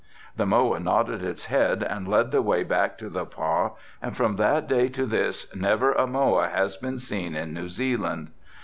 "The moa nodded his head and led the way back to the pah and from that day to this never a moa has been seen in New Zealand.